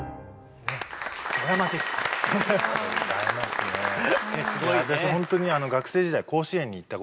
すごいね。